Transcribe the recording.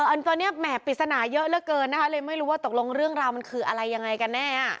อันนี้แหม่ปริศนาเยอะเหลือเกินนะคะเลยไม่รู้ว่าตกลงเรื่องราวมันคืออะไรยังไงกันแน่